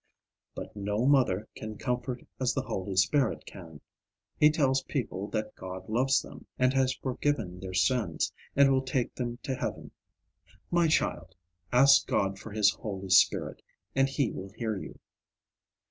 But no mother can comfort as the Holy Spirit can. He tells people that God loves them, and has forgiven their sins, and will take them to heaven. My child, ask God for his Holy Spirit, and he will hear you.